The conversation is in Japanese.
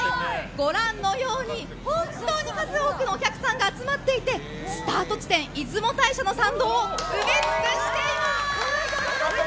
ご覧のように本当に数多くのお客さんが集まっていて、スタート地点出雲大社の参道を埋め尽くしています！